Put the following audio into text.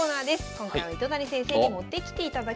今回は糸谷先生に持ってきていただきました。